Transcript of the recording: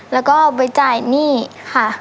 แล้วก็ไปจ่ายหนี้ค่ะ